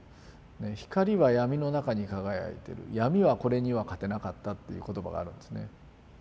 「光はやみの中に輝いてるやみはこれには勝てなかった」っていう言葉があるんですね。